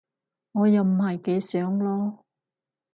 我又唔係幾想囉